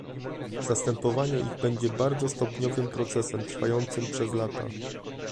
Zastępowanie ich będzie bardzo stopniowym procesem, trwającym przez lata